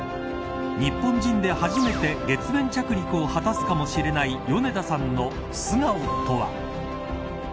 日本人で初めて月面着陸を果たすかもしれない米田さんの素顔とは。